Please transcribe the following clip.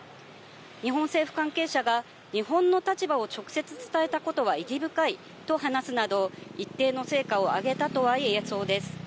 日本政府関係者が日本の立場を直接伝えたことは意義深いと話すなど、一定の成果をあげたとは言えそうです。